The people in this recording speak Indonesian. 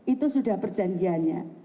itu sudah perjanjiannya